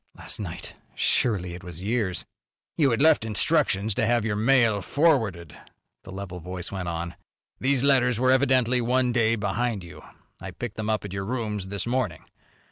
Last night! Surely it was years. "You had left instructions to have your mail forwarded," the level voice went on. "These letters were evidently one day behind you. I picked them up at your rooms this morning.